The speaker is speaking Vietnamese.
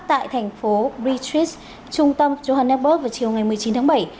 tại thành phố bridge street trung tâm johannesburg vào chiều ngày một mươi chín tháng bảy